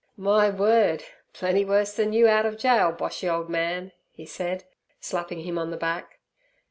'My word! plenty worse than you out of gaol, Boshy, old man' he said, slapping him on the back.